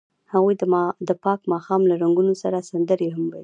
هغوی د پاک ماښام له رنګونو سره سندرې هم ویلې.